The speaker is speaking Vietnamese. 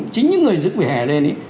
chính những người dựng vỉa hè lên ấy